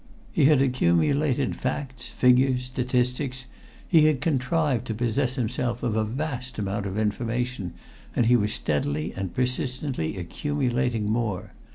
He had accumulated facts, figures, statistics; he had contrived to possess himself of a vast amount of information, and he was steadily and persistently accumulating more.